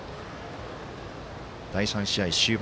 第３試合終盤。